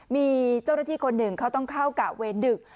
มีเจ้าหน้าที่คนหนึ่งเขาต้องเข้ากะเวรดึก